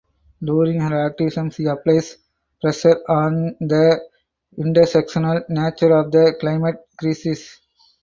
During her activism she applies pressure on the intersectional nature of the climate crisis.